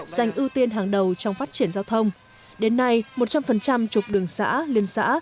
dành ưu tiên hàng đầu trong phát triển giao thông đến nay một trăm linh trục đường xã liên xã